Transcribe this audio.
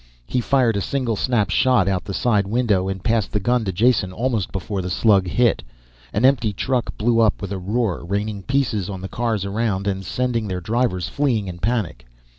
He fired a single, snap shot out the side window and passed the gun to Jason almost before the slug hit. An empty truck blew up with a roar, raining pieces on the cars around and sending their drivers fleeing in panic.